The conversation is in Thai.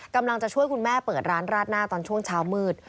กำลังจะช่วยคุณแม่เปิดร้านราดหน้าตอนช่วงเช้ามืด